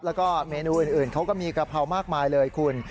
แล้วก็เมนูอื่นเขาก็มีกะเพรามากมายเลยคุณ